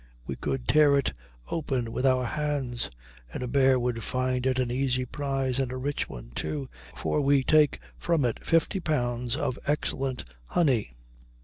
We could tear it open with our hands, and a bear would find it an easy prize, and a rich one, too, for we take from it fifty pounds of excellent honey.